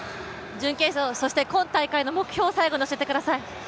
準決勝、そして今大会の目標を最後に教えてください。